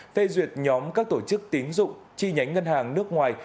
phê duyệt nhóm các tổ chức tín dụng chi nhánh ngân hàng nước ngoài